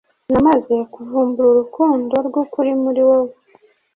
Namaze kuvumbura urukundo rw’ukuri muri wowe